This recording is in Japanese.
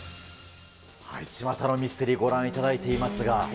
ちまたのミステリー、ご覧いただいていますが。